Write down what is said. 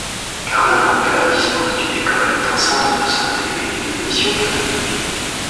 Karna Manga dispose d'une école, d'un centre de santé et d'une mission catholiques.